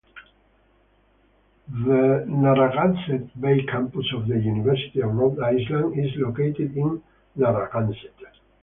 The Narragansett Bay Campus of the University of Rhode Island is located in Narragansett.